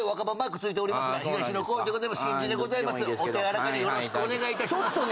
お手柔らかによろしくお願い致します。